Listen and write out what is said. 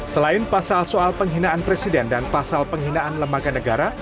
selain pasal soal penghinaan presiden dan pasal penghinaan lembaga negara